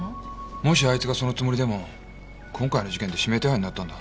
もしあいつがそのつもりでも今回の事件で指名手配になったんだ。